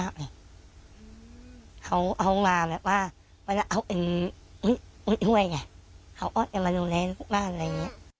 เขาอ้อดกันมาโรงแรงบ้านอะไรอย่างนี้